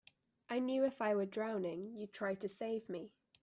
I knew if I were drowning you'd try to save me.